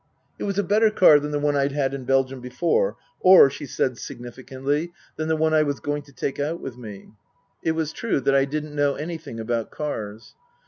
It was a better car than the one I'd had in Belgium before or, she said significantly, than the one I was going to take out with me. It was true that I didn't know any thing about cars.